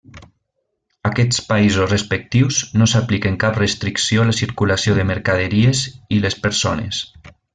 Aquests països respectius no s'apliquen cap restricció a la circulació de mercaderies i les persones.